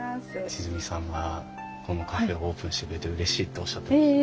千純さんがこのカフェをオープンしてくれてうれしいっておっしゃってましたよ。